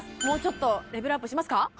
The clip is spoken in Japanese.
もうちょっとレベルアップしますか？